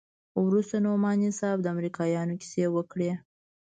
وروسته نعماني صاحب د امريکايانو کيسې وکړې.